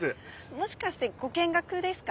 もしかしてご見学ですか？